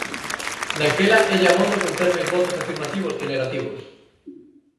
Daquela élle abondo con ter máis votos afirmativos que negativos.